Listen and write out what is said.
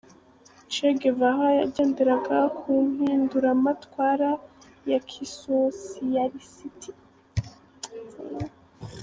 Che Guevara yagenderaga ku mpinduramatwara ya kisosiyalisiti.